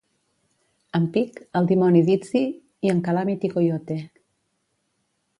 En Pig, el dimoni Dizzy i en Calamity Coyote.